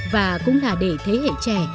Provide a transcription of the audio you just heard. và cũng đã để thế hệ trẻ